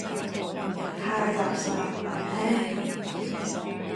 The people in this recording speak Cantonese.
太垃圾，唉。